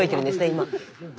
今。